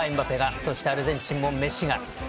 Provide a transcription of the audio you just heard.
そしてアルゼンチンはメッシが。